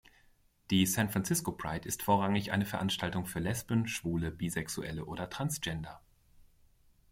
Die San Francisco Pride ist vorrangig eine Veranstaltung für Lesben, Schwule, Bisexuelle oder Transgender.